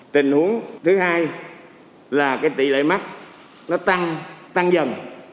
tình huống thứ hai là tỷ lệ mắc nó tăng tăng dần